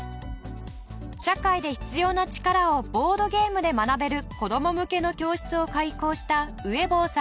社会で必要な力をボードゲームで学べる子供向けの教室を開校した上坊さん。